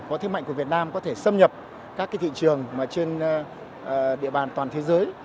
có thương mại của việt nam có thể xâm nhập các thị trường trên địa bàn toàn thế giới